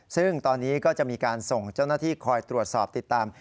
ซึ่งตอนนี้ก็จะมีการส่งเจ้าหน้าที่คอยตรวจสอบติดตาม